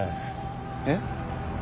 えっ？